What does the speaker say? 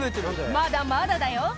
「まだまだだよ」